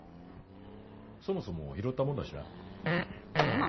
そもそも拾ったもんだしな。